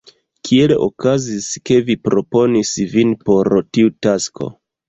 Kiel okazis, ke vi proponis vin por tiu tasko?